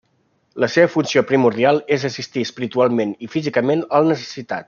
La seva funció primordial és assistir espiritualment i físicament al necessitat.